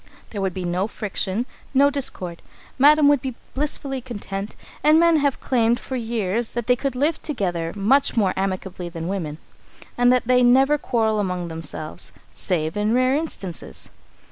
There would be no friction, no discord. Madam would be blissfully content, and men have claimed for years that they could live together much more amicably than women, and that they never quarrel among themselves, save in rare instances.